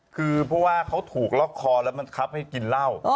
คือเพราะว่าเขาถูกล็อกคอแล้วมันครับให้กินเหล้า